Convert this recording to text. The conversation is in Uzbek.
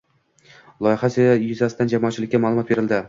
Loyiha yuzasidan jamoatchilikka ma’lumot berildi.